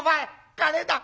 金だ！